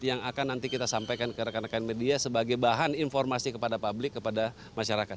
yang akan nanti kita sampaikan ke rekan rekan media sebagai bahan informasi kepada publik kepada masyarakat